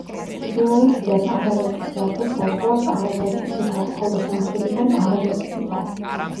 ჩრდილოეთიდან არარატის ვაკეს საზღვრავს არაგაწის მთა, ხოლო სამხრეთიდან არარატის მთა.